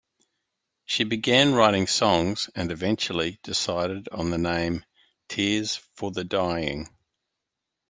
She began writing songs and eventually decided on the name Tears for the Dying.